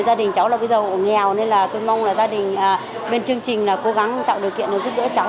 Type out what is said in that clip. gia đình cháu bây giờ nghèo nên tôi mong là gia đình bên chương trình cố gắng tạo điều kiện để giúp đỡ cháu